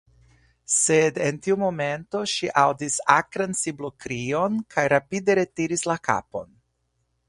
Sed en tiu momento ŝi aŭdis akran siblokrion, kaj rapide retiris la kapon.